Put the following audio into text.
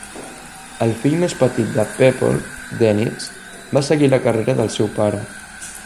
El fill més petit de Peploe, Denis, va seguir la carrera del seu pare.